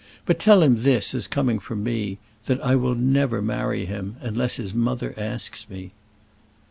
But tell him this, as coming from me: that I will never marry him, unless his mother asks me."